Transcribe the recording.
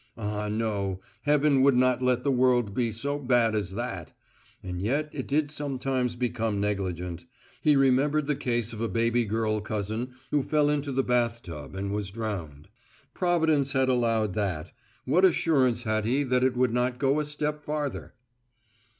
Ah, no! Heaven would not let the world be so bad as that! And yet it did sometimes become negligent he remembered the case of a baby girl cousin who fell into the bath tub and was drowned. Providence had allowed that: What assurance had he that it would not go a step farther?